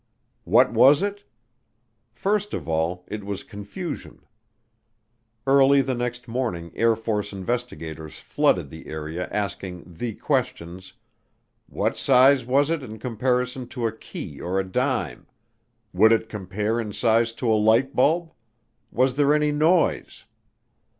What was it? First of all it was confusion. Early the next morning Air Force investigators flooded the area asking the questions: "What size was it in comparison to a key or a dime?" "Would it compare in size to a light bulb?" "Was there any noise?"